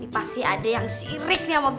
pasti ada yang sirik sama gue